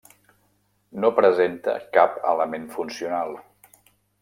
No presenta cap element funcional.